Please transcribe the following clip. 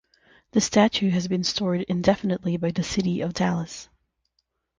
The statue has been stored indefinitely by the city of Dallas.